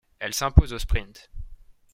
Elle s'impose au sprint.